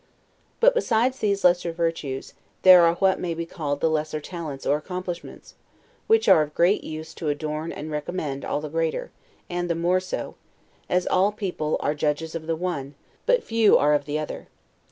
But besides these lesser virtues, there are what may be called the lesser talents, or accomplishments, which are of great use to adorn and recommend all the greater; and the more so, as all people are judges of the one, and but few are of the other.